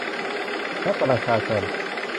และประชาชน